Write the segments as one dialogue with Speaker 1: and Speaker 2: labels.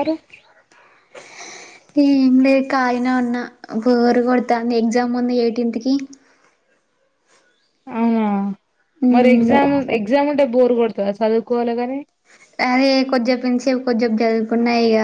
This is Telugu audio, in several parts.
Speaker 1: అరు
Speaker 2: ఏం లేదు కాలినే ఉన్నా బోరు కొడతందీ ఎగ్జామ్ ఉంది ఎయిటీన్త్ కి
Speaker 1: అవునా మరి
Speaker 2: ఉమ్
Speaker 1: ఎగ్జామ్ఎగ్జామ్ బోర్ కొడతుదా సదుకోలగానే
Speaker 2: అదే కొద్దిసపు సేపు కొద్దిసపు చదువుకున్నా ఇక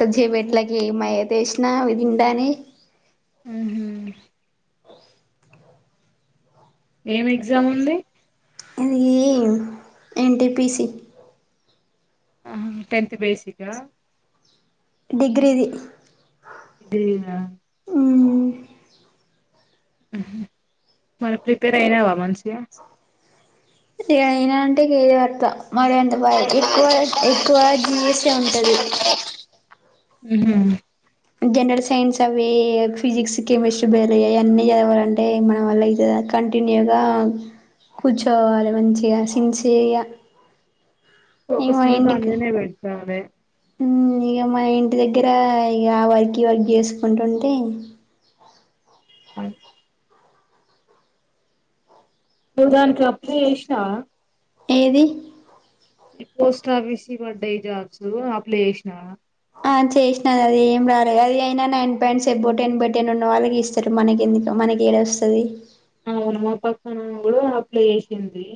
Speaker 2: కొద్దిసేపు ఎట్లకి ఏ మాయ తెసినా ఇ తింట అని
Speaker 1: ఏం ఎగ్జామ్ ఉంది
Speaker 2: అది ఎన్టీపిసి
Speaker 1: టెన్త్ బేసికా
Speaker 2: డిగ్రీది
Speaker 1: డిగ్రీ నా
Speaker 2: హ్మ్మ
Speaker 1: మన ప్రిపేర్ అయినావా మంచి
Speaker 2: రైనాంటే కేరు వర్త మరి ఎంత బ ఎక్కువ ఎక్కువ జీసే ఉంటది
Speaker 1: ఆహా
Speaker 2: జనరల్ సైన్స్ అవి ఫిజిక్స్ కెమిస్ట్రీ బేర అ అన్నీ చదవాలంటే మనం వల్ల ఇ కంటిన్యూగా కూర్చోవాలి మంచిగా సిన్సియర్గా
Speaker 1: ఒక
Speaker 2: ఇక
Speaker 1: ఒకస
Speaker 2: మన
Speaker 1: తా
Speaker 2: ఇంటికి
Speaker 1: అనే పెడుతే
Speaker 2: ఇక మా ఇంటి దగ్గర ఇ ఆ వర్క్ ఈ వర్క్ చేసుకుంటుంటే
Speaker 1: అవు నువ్వు దానికినికి అప్పుడు చేసా
Speaker 2: ఏది
Speaker 1: ఈ పోస్ట్ ఆఫీస్ పడ్డాయి జాబ్స్ అప్లై చేసినావా
Speaker 2: ఆ చేసినది అది ఏం రాలేదు అది అయినా నైన్ పాయింట్స్ ఎబో టెన్ బ టెన్ ఉన్న వాళ్ళకి ఇస్తారు మనకి ఎందుకు మనకి ఏడ వస్తుంది
Speaker 1: అవును మా పక్కన కూడా అప్లై చేేసిందవి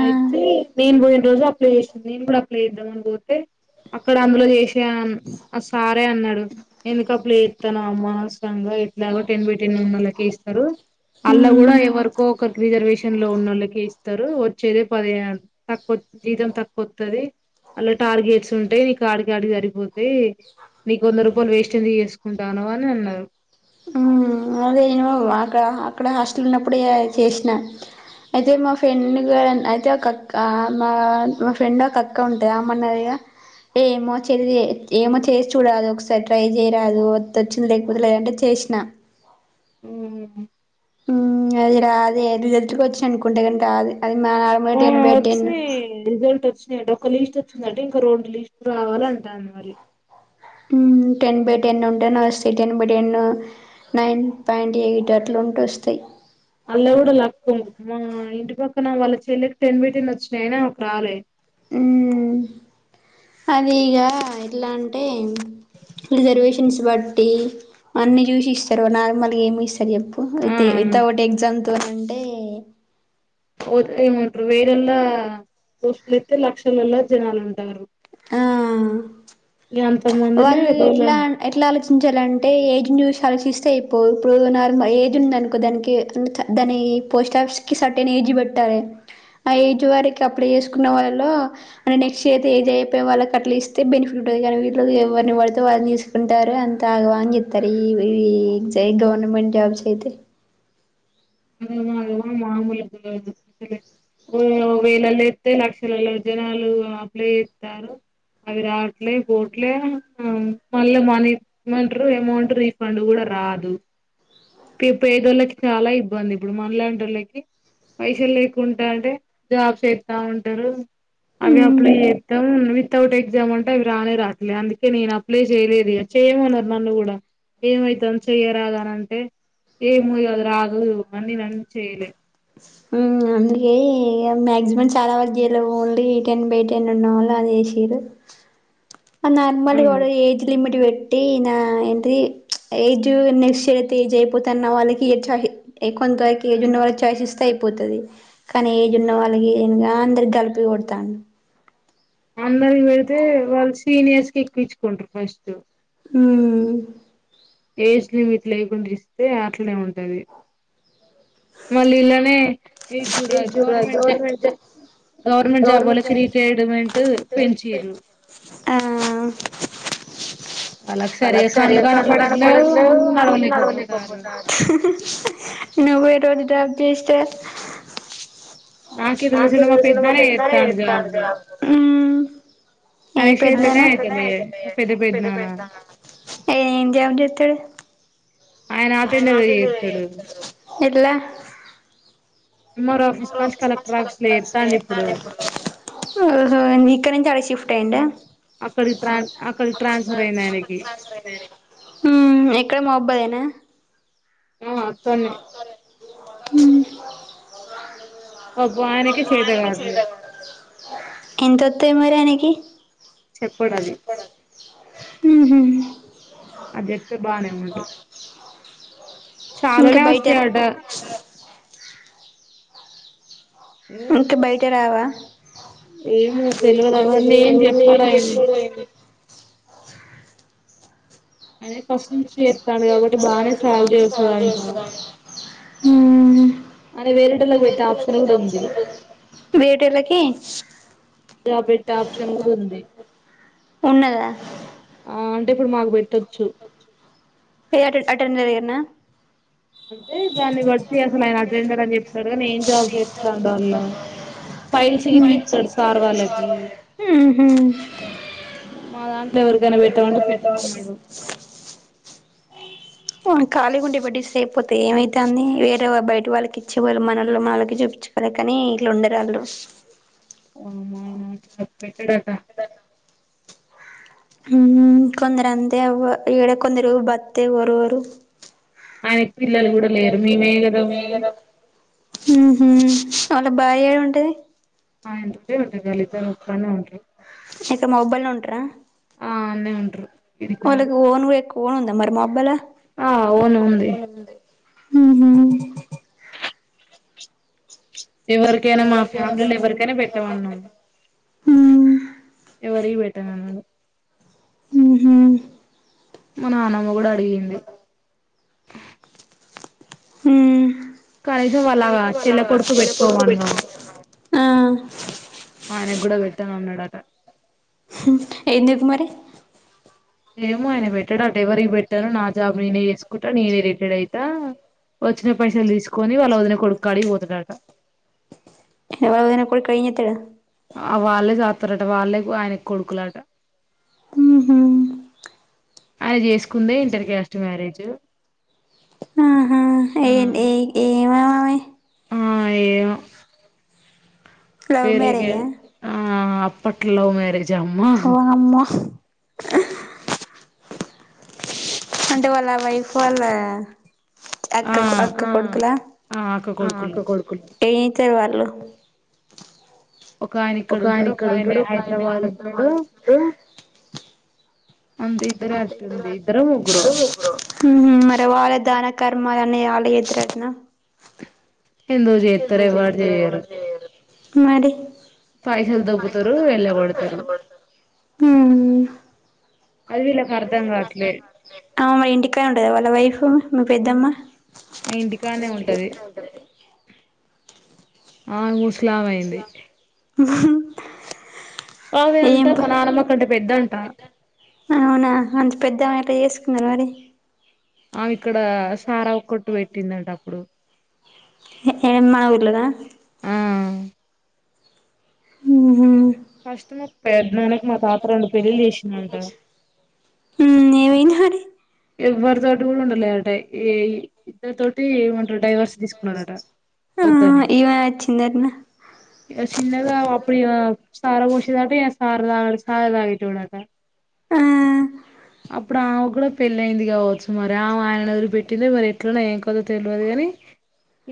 Speaker 2: ఆ
Speaker 1: అయితే నేను పోయి రోజు అప్లై చేస్తుంది నేను కూడా అప్లై చేద్దాం అని పోతే అక్కడ అందులో చేసి ఆ సారే అన్నాడు ఎందుక అప్లై తన అమ్మా అనవసరంగా ఎట్లాగో టెన్ బటిన్ ఉన్నలాకి ఇస్తారు అల్లా
Speaker 2: ఉమ్
Speaker 1: కూడా ఎవరికో ఒక రిజర్వేషన్ లోన్న వాళ్ళకి ఇస్తారు వచ్చేదే పది తక్కువ జీతం తక్కువ వస్తుది అళ్లా టార్గెట్స్ ఉంటాయి నీకు ఆడికి ఆడికి సరిగిపోది నీకు వంద రూపాయలు వేస్ట్ంది చేసుకుంటాను అని అన్నారు
Speaker 2: ఆ అదేమో అక్కడ అక్కడ హాస్టల్ ఉన్నప్పుడ చేసినా అయితే మా ఫ్రెండ్ కూడా అయితే ఒక అక్క మా మా ఫ్రెండ్ ఒక అక్క ఉంటది అమ్మన్నగా ఏమో చెల్లి ఏమో చేసి చూడరాదు ఒకసారి ట్రై చేయరాదు వత్తే వచ్చింది లేకపోతే లేదు అంటే చేసినా అది రాదే గ్తుకి వచ్చి అనుకుంటే కానీ రాదే అది మాడ
Speaker 1: ఆ వచ్చి రిజల్ట్ వచ్చి ఒక లిస్ట్ వచ్చిందంటే ఇంక రెండు లిస్ట్ రావాలి అంటది మరి
Speaker 2: టెన్ బై టెన్ ఉంటేనే వస్తాయి ten by ten nine point eight అట్లా ఉంటే వస్తాయి
Speaker 1: అల్లా కూడా లక్క మా ఇంటి పక్కన వాళ్ళ చెల్లెకి టెన్ బై టెన్ వచ్చిన అయినా ఆమెకు రాలే
Speaker 2: అది ఇగ ఎట్లా అంటే రిజర్వేషన్స్ బట్టి అన్ని చూసి ఇస్తారు నార్మల్గా ఏమి ఇస్తారు చెప్ అయితే వితౌట్ ఎగ్జామ్ తో అంటే ఏ
Speaker 1: ఉదా ఏమంటారు వేరల్లా పోస్టులు ఎతే లక్షలలా జనాలు ఉంటారు
Speaker 2: ఆ
Speaker 1: ఇగ అంత మందిలే
Speaker 2: వాళ్ళు
Speaker 1: బోల
Speaker 2: ఎట్లా ఎట్లా ఆలోచించాలంటే ఏజ్ చూసి ఆలోచిస్ చేపో ఇప్పుడు నార్మల్ ఏజ్ ఉంది అనుకో దానికి దాని పోస్ట్ ఆఫీస్ కి సర్టెన్ ఏజ్ పెట్టాలి ఆ ఏజ్ వరకి అప్పుడ చేసుకున్న వాళ్ళలో నెక్స్ట్ ఇయర్ ఏజ్ అయిపోయి వాళ్ళకి అట్లా ఇస్తే బెనిఫిట్ ఉంటంది కానీ ఎవరిని పడితే వాళ్ళని తీసుకుంటారు అంత ఆగవాని చెప్తారు ఈ గవర్నమెంట్ జాబ్స్ అయితే
Speaker 1: అద మా మామూలుగా అసలే ఓ వేలలో ఎస్తతే లక్షల జనాలు అప్లై ఇస్తారు అవి రావట్లే పోట్లే మళ్ళీ మనీ మంటర్ అమౌంట్ రీఫండ్ కూడా రాదు పే పేదోళ్ళకి చాలా ఇబ్బంది ఇప్పుడు మనలాంటి వాళ్లకి పైసలు లేకుంటే జాబ్స్ వస్తా ఉంటారు అవే అప్లై చేస్తాం వితౌట్ ఎగ్జామ్ అంటే అవి రానే రాట్లే అందుకే నేను అప్లై చేయలేదు చేయమన్నారు నన్ను కూడా ఏమైతుని చెయరాగా అని అంటే ఏ మోయదు రాదు మన్నీ నను చేలే
Speaker 2: అందుకే మాక్సిమం చాలా వరకు చేయలే ఓన్లీ టెన్ బై టెన్ ఉన్న వాళ్ళు అది ఏసిర్రు ఆ నర్మల్ వాడు ఏజ్ లిమిట్ ట్టి నా ఎంట్రీ ఏజ్ నెక్స్ట్ ఇయర్ అయితే ఏజ్ అయిపోతున్న వాళ్ళకి ఇచ్చా హీ కొంత వరకు ఏజ్ ఉన్న వాళ్ళకి చాయిస్ ఇస్తే పోతది కానీ ఏజ్ ఉన్న వాళ్ళకి ఏ అందరి కలిపి కొడతాండు
Speaker 1: అందరికి పెడితే వాళ్ళు సీనియర్స్ కి ఎక్కువ ఇచ్చుకుంటారు ఫస్ట్
Speaker 2: హ
Speaker 1: ఏజ్ లిమిట్ లేకుండా ఇస్తే అట్నే ఉంటది మళ్ళీ ఇలానే ఈ జూ రాదు గవర్నమెంట్ జబ్ గవర్మెంట్ జాబ్ వాళ్లకి రిటైర్మెంట్ పెంచిర్రు
Speaker 2: వాళ్లాకి సరిగా కళ్లు
Speaker 1: కనపడట్లేవు
Speaker 2: కనపడట్లే నడవలేకపోతారు నువ్వే రోజు జాబ్ చేస్తే
Speaker 1: నాకే
Speaker 2: నాకు
Speaker 1: తెలిసిన
Speaker 2: ఇది వసిన మా
Speaker 1: పెద్దనాన్న
Speaker 2: పెదనాన్న
Speaker 1: చేత్తాండు
Speaker 2: చేస్తాండు
Speaker 1: జాబ్
Speaker 2: జాబు ఏ
Speaker 1: ఆయన చేతనే
Speaker 2: పెదనాన్న
Speaker 1: అయితలే మా పెద్ద పెద్దనాన్న
Speaker 2: ఏం జాబ్ చేతడు డు
Speaker 1: ఆయన అటెండర్ గా చేతడు
Speaker 2: ఎట్లా
Speaker 1: చేత్తాండు ఇప్పుడు
Speaker 2: ఇక్కడ నుంచి అక్కడ షిఫ్ట్ అయ్యండ
Speaker 1: అక్కడికి ట్రాన్ అక్కడికి ట్రాన్స్ఫర్ అయింది ఆయనకి
Speaker 2: ఇక్కడ మౌబాద్ ఏనా
Speaker 1: ఆ తొన్ని కావట్లేదు
Speaker 2: గింతొత్తే ఏమై యానికి
Speaker 1: చెప్పడది.
Speaker 2: ఉహు
Speaker 1: అదెత్తే బానే ఉన్
Speaker 2: ఇంకా
Speaker 1: చాలనె
Speaker 2: బయట
Speaker 1: వస్తాయి
Speaker 2: రా
Speaker 1: అవడా.
Speaker 2: ఇంక బయట
Speaker 1: ఇంట్రెస్ట్
Speaker 2: రావా?
Speaker 1: ఏమో తెలియదు అవన్నీ ఏం చెప్పాడు ఆయన అది వస్తదంట
Speaker 2: మ్మ్
Speaker 1: అని వేరేటోళ్ళకి పెట్టే
Speaker 2: మ్
Speaker 1: ఆప్షన్ కూడా ఉంది
Speaker 2: బెటోళ్లకి
Speaker 1: జాబ్ పెట్టే ఆప్షన్ కూడా ఉంది.
Speaker 2: ఉన్నదా
Speaker 1: ఆ అంటే ఇప్పుడు మాకు పెట్టొచ్చు.
Speaker 2: ఫె అటెండ్ అటెండర్ ఈయన.
Speaker 1: అంటే దాన్ని బట్టి అసలు ఆయన అటెండర్ అని చెప్తాడు కానీ, ఏం జాబ్ చేత్తండల్ల? ఫైల్స్ గిట్ల ఇత్తాడు సార్ వాళ్ళకి. మా దాన్ ఎవరికైనా పెట్టమంటే పెట్టి నమ్మడు.
Speaker 2: మ్మ్ ఖాళీగుండి బడిస్ సేయకపోతే, ఏమైతాంది? వేరే వాల్ బయట వాళ్ళకిచ్చే బదులు మనొల్లు మనకి చూపించుకోలేకనే, ఇట్ల ఉండరాళ్ళు.
Speaker 1: అమ్మ నా జాబ్ పెట్టాడా త్త
Speaker 2: హుమ్ కొందర అంతే అవ్వ. ఈడ కొందరు బత్తే ఓరువరు.
Speaker 1: ఆయనకి పిల్లలు కూడా లేరు మేమే కదా ఉన్నది
Speaker 2: మ్ హు వాళ్ళ భార్య ఏమంటది?
Speaker 1: ఆయనతొ ఏమంటరు వాల్లిద్దరు ఇక్కడ్నె ఉంటరు.
Speaker 2: తో మొబై ల్లో ఉంటారా?
Speaker 1: ఆ అన్నే ఉంటరు.
Speaker 2: వాళ్లకి ఓన్ వేకు ఒన్ ఉంద! మరి మోబై లొ,
Speaker 1: ఆ అవును
Speaker 2: అ లోన్ ఉంది. ఉహు
Speaker 1: ఎవరికైనా మా ఫ్యామిలీలొ ఎవరికైనా పెట్టమన్నాము.
Speaker 2: ఉహు
Speaker 1: ఎవరికి పెట్టన్నన్నాడు.
Speaker 2: మ్మ్ హు
Speaker 1: మా నాన్నమ్మ కూడ పొయ్యింది
Speaker 2: హ్మ్
Speaker 1: కనీసం వాళ్ళ
Speaker 2: ఐషు వాళ్ళు
Speaker 1: చెల్ల
Speaker 2: చిన్న కొడుకు
Speaker 1: పెట్టుకోమన్నాం
Speaker 2: పెట్టుకుంటాడంట ఆ
Speaker 1: ఆయనకు కూడా పెట్టను అన్నాడట
Speaker 2: ఏమ్ చెప్పా మరి
Speaker 1: ఏమో ఆయన పెట్టడట ఎవరికీ పెట్టారో నా జాబ్ నేనే చేసుకుంటా నేనే రిటైర్డ్ అయితా వచ్చిన పైసలు తీసుకొని వాళ్ళ వదిన కొడుకుకాడికి పోతాడుట
Speaker 2: ఎవరి [inaudible] కొడుకైతే
Speaker 1: ఆ వాళ్ళే సాక్స్తారట వాళ్ళే ఆయన కొడుకులట
Speaker 2: హ్మ్ హు
Speaker 1: అయన చేసుకుందే ఇంటర్ క్యాస్ట్ మ్యారేజ్
Speaker 2: ఆహా ఏ ఏ ఏ ఏమ నే
Speaker 1: ఆ అయ్యే
Speaker 2: లవ్
Speaker 1: పేలీగే
Speaker 2: మ్యారేజా
Speaker 1: ఆ పట్ లవ్ మ్యరేజ్
Speaker 2: ఓ అమ్మో అంటే వాళ్ళ వైఫ్ వాళ్ళ
Speaker 1: ఆ
Speaker 2: అక్క
Speaker 1: ఆ కొడుకులు
Speaker 2: అక్క కొడుకులా ఏం ఇచ్చారు వాళ్లు ఒక ఆయన ఇక్కడ ఉంటాడు ఒక ఆయన ఆడికే పోవాలంటడు
Speaker 1: అంత ఇద్దరే అట్టుంది ఇద్దరో ముగ్గురో
Speaker 2: హ్మ్ హు మరి వాళ్ళిద్ [unintelligible] కర్మ అనే ఆళ ఎదురుదున్నా
Speaker 1: ఎందుకు చేత్తలేదు వాళ్ళు చేయరు
Speaker 2: మరి
Speaker 1: పైసలు దొబ్బుతారు వెళ్ళగొడుతరు
Speaker 2: ఉ ఆమె ఇంటికాడుంటద వాళ్ళ వైఫు మీ పెద్దమ్మ
Speaker 1: ఆ ఇంటికానే ఉంటది ఆమె ముస్లాం అయింది ఆమె
Speaker 2: ఏం
Speaker 1: అంటే మా
Speaker 2: ప
Speaker 1: నానమ్మక్క అంటే పెద్ద అంట
Speaker 2: అవునా అంత పెద్దమే [unintelligible]
Speaker 1: ఆ ఇక్కడ సారవ కొట్టు పెట్టిందంట అప్పుడు
Speaker 2: ఏ మన ఊర్లోనా
Speaker 1: ఆ
Speaker 2: హ్మ్ హు
Speaker 1: ఫస్ట్ మా పెదనాన్న కిమా తాత రెండు పెళ్ళిలు చేసిండంట
Speaker 2: అరె
Speaker 1: ఎవరితోటి కూడ ఉండలేదట ఈ ఈ ఇద్దరూ తోటి డైవర్స్ తీసుకున్నాడట
Speaker 2: ఆ
Speaker 1: వద్దని
Speaker 2: ఈమె వచ్చిందటన
Speaker 1: చిన్నగా అప్పుడిగ సార పోషిదాట ఏ సారదగు సారదాగెడోట
Speaker 2: ఆ
Speaker 1: అప్పుడు ఆమ్ కూడా పెళ్ళయింది కావచ్చు మరి ఆమె ఆయన వదిలి పెట్టింది మరి ఎట్లనొ ఏం కదో తెలివదు గాని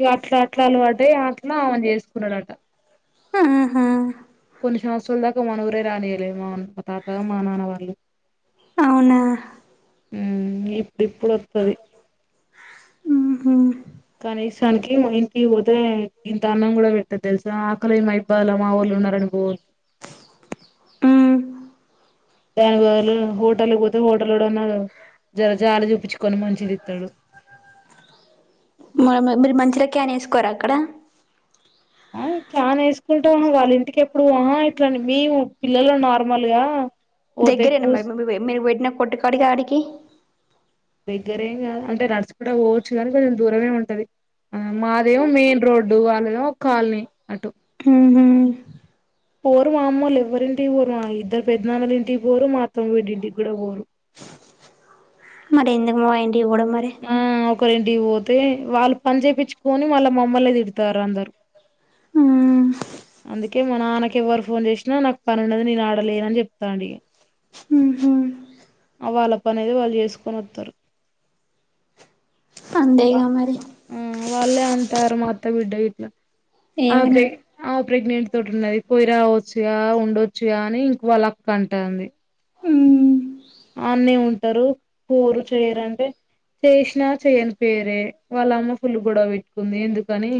Speaker 1: ఇ అట్లా అట్లా అలవాట అట్లా చేసుకున్నాడట
Speaker 2: ఆహా
Speaker 1: కొన్ని సంవత్సరాల దాకా మన ఊరే రానియలేి మా తాతగా మా నాన్న వాళ్ళు
Speaker 2: అవునా
Speaker 1: హ్మ ఇప్పుడు ఇప్పుదోస్తది
Speaker 2: ఉహు
Speaker 1: కానీసానికి మా ఇంటికి పోతే ఇంత అన్నం కూడా పెట్టదు తెలుసా ఆకలి మా ఇబ్బాలు మా వాళ్ళు ఉన్నారని పోవద్
Speaker 2: ఉమ్.
Speaker 1: దానికి వాళ్ళు హోటల్కి పోతే హోటల్ ఉన్న జర జాల చూపించుకొని మంచిదిస్తాడు
Speaker 2: మ మీరు మంచిల క్యాన్ వేసుకోరాా అక్కడ
Speaker 1: ఆ క్యాన్ వేసుకుంటాము వాళ్ళ ఇంటికిెప్పుడు ఇట్లా మేము పిల్లలు నార్మల్ గా పోతే
Speaker 2: దగ్గరేనా
Speaker 1: కూస్
Speaker 2: మరి మీరు [unintelligible] కొట్టికడికి ఆడికి
Speaker 1: దగ్గరేం కా అంటే నడుచకుడా పోవచ్చు కానీ కొంచెం దూరమే ఉంటది మాదేమో మెయిన్ రోడ్డు వాళ్ళడెమో కాలనీ అటు
Speaker 2: హ్మ
Speaker 1: పోరు మా అమ్మ వాళ్లు ఎవ్వరింటికి పోరు మా ఇద్దరు పెద్దనాన్నలు ఇంటికి పోరు మా అతమ్మ వీడింటికి కూడా పోరు
Speaker 2: మరి ఎందుకు ము ఏవడ మరీ
Speaker 1: ఒకరెంటికి పోతే వాళ్ళు పని చేయించుకొని మళ్ళ మమ్మలనే తిడతారు అందరు
Speaker 2: ఆ
Speaker 1: అందుకే మా నాన్నకి ఎవ్వరు ఫోన్ చేసినా నాకు పనిండది నేను ఆడలేన అని చెప్తండిగా
Speaker 2: ఉహు
Speaker 1: వాళ్ళ పని అతే వాళ్ళు చేసుకొని వస్తారు
Speaker 2: అంతేగా మరి
Speaker 1: వాళ్ళే అంటారు మా అత్త బిడ్డ ఇట్లా
Speaker 2: ఏమని
Speaker 1: ఒకే ప్రెగ్నెంట్ తోటి ఉన్నది పోయి రావచ్చుగా ఉండొచ్చుగా అని ఇంకోలాక్క అంటంది
Speaker 2: ఉహు
Speaker 1: ఆనే ఉంటారు పోరు చేయరంటే చేసినా చేయని పేరే వాళ్ళమ్మ ఫుల్ గొడవ పెట్టుకుంది ఎందుకని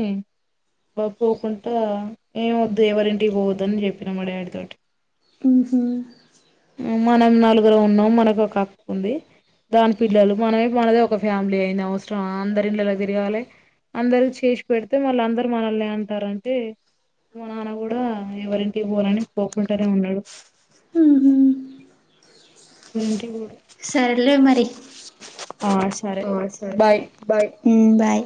Speaker 1: పోకోకుండా ఏమ వద్దు ఎవరింటికి పోవద్దని చెప్పినా మా డాడీ తోటి
Speaker 2: హ్మ హ్మ
Speaker 1: మనం నలుగురు ఉన్నాం మనకు ఒక అక్కు ఉంది దాని పిల్లలు మనమే మనదే ఒక ఫ్యామిలీ అయింది అవసరమా అందరి ఇంట్లా తిరగాలి అందరు చేసి పెడితే మళ్ళ అందరు మనల్ని అంటారంటే మా నాన్న కూడా ఎవరింటికి ఫోను అని పోకుంటానే ఉన్నాడు
Speaker 2: ఉహు
Speaker 1: ఎవరింటికి పోడు
Speaker 2: సరలే మరి
Speaker 1: ఆ సరే
Speaker 2: ఆ సరే బాయ్ హ్మ బాయ్